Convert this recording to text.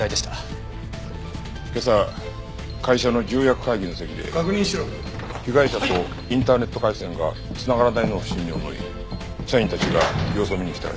今朝会社の重役会議の席で被害者とインターネット回線が繋がらないのを不審に思い社員たちが様子を見に来たらしい。